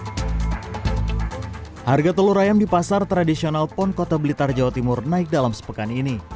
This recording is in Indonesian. hai harga telur ayam di pasar tradisional pond kota blitar jawa timur naik dalam sepekan ini